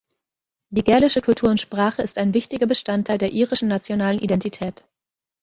Die gälische Kultur und Sprache ist ein wichtiger Bestandteil der irischen nationalen Identität.